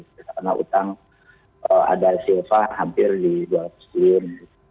karena utang ada silva hampir di dua ratus jilin